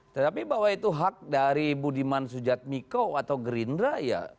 tetapi bahwa itu hak dari budiman sujatmiko atau gerindra ya